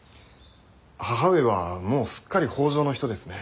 義母上はもうすっかり北条の人ですね。